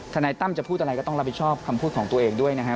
นายตั้มจะพูดอะไรก็ต้องรับผิดชอบคำพูดของตัวเองด้วยนะครับ